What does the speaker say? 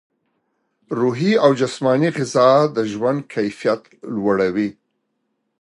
روحي او جسماني غذا د ژوند کیفیت لوړوي.